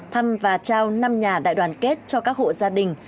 thăm và trao năm nhà đại đoàn kết cho các hộ gia đình